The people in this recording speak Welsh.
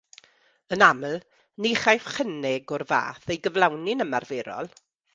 Yn aml, ni chaiff chynnig o'r fath ei gyflawni'n ymarferol.